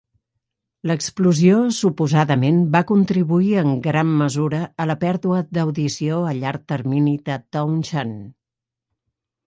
L'explosió suposadament va contribuir en gran mesura a la pèrdua d'audició a llarg termini de Townshend.